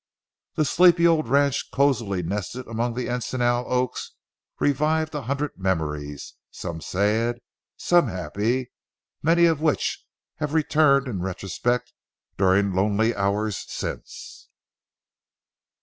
The sleepy old ranch cosily nestled among the encinal oaks revived a hundred memories, some sad, some happy, many of which have returned in retrospect during lonely hours since.